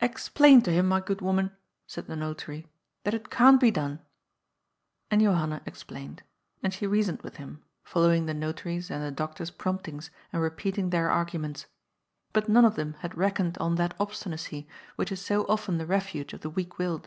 "Explain to him, my good woman," said the Notary, " that it can't be done." And Johanna explained. And she reasoned with him, following the Notary's and the doctor's promptings and re peating their arguments. But none of them had reckoned on that obstinacy, which is so often the refuge of the weak willed.